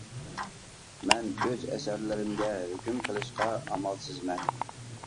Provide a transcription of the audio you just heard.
مەن ئۆز ئەسەرلىرىمگە ھۆكۈم قىلىشقا ئامالسىزمەن.